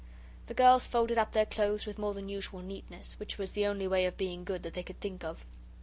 The girls folded up their clothes with more than usual neatness which was the only way of being good that they could think of.